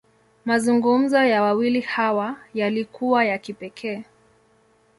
Mazungumzo ya wawili hawa, yalikuwa ya kipekee.